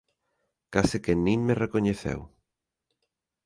Case que nin me recoñeceu.